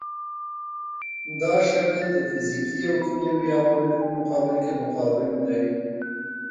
دا شکل د فزیکي او کیمیاوي عواملو په مقابل کې مقاوم دی.